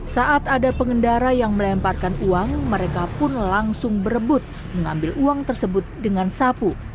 saat ada pengendara yang melemparkan uang mereka pun langsung berebut mengambil uang tersebut dengan sapu